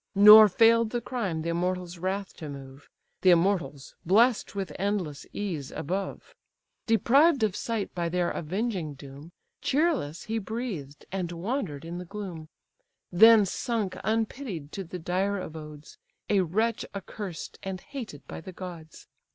Nor fail'd the crime the immortals' wrath to move; (The immortals bless'd with endless ease above;) Deprived of sight by their avenging doom, Cheerless he breathed, and wander'd in the gloom, Then sunk unpitied to the dire abodes, A wretch accursed, and hated by the gods!